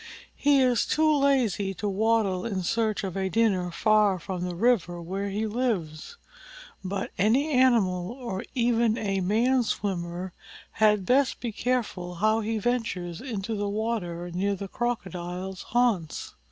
He is too lazy to waddle in search of a dinner far from the river where he lives. But any animal or even a man swimmer had best be careful how he ventures into the water near the Crocodile's haunts.